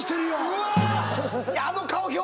うわ！